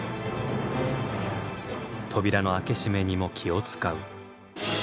扉の開け閉めにも気を遣う。